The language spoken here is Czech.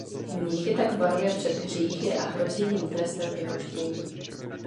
Mnichy tak varuje před hříchy a hrozí jim trestem vyhoštění.